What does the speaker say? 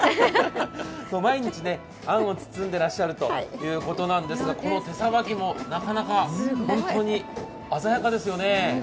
毎日あんを包んでらっしゃるということですがこの手さばきもなかなか鮮やかですよね。